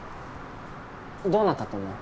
どうなったと思う？